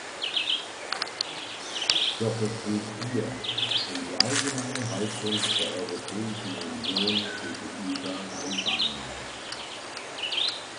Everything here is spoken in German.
Doch es geht hier um die allgemeine Haltung der Europäischen Union gegenüber Albanien.